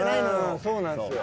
そうなんすよ。